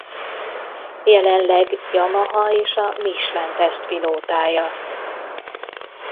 Jelenleg Yamaha és a Michelin tesztpilótája.